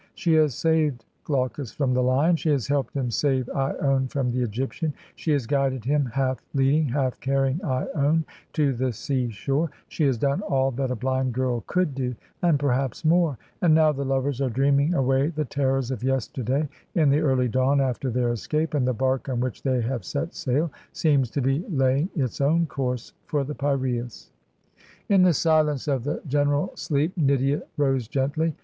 She has saved Glaucus from the lion; she has helped him save lone from the Egyptian; she has guided him, "half leading, half carrying lone/' to the sea shore; she has done all that a blind girl could do, and perhaps more; and now the lovers are dreaming away the terrors of yesterday in the early dawn after their escape, and the bark on which they have set sail seems to be lay ing its own course for the Piraeus. " In the silence of the general sleep Nydia rose gently.